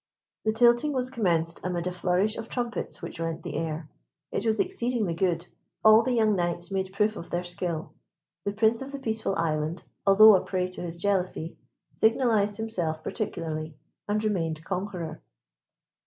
The tilting was commenced amidst a flourish of trumpets which rent the air. It was exceedingly good. All the young knights made proof of their skill. The Prince of the Peaceful Island, although a prey to his jealousy, signalized himself particularly, and remained conqueror.